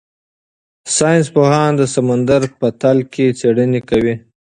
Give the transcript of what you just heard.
ساینس پوهان د سمندر په تل کې څېړنې کوي.